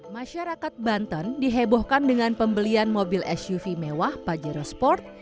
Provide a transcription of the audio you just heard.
masyarakat banten dihebohkan dengan pembelian mobil suv mewah pajero sport